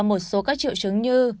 một số các triệu chứng như